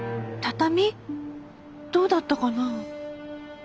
畳？どうだったかな？